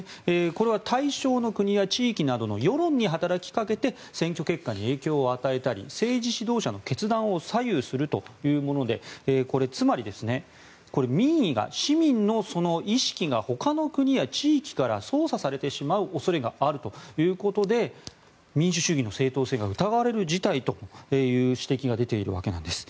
これは対象の国や地域などの世論に働きかけて選挙結果に影響を与えたり政治指導者の決断を左右するというものでこれ、つまり民意が、市民の意識がほかの国や地域から操作されてしまう恐れがあるということで民主主義の正当性が疑われる事態という指摘が出ているわけなんです。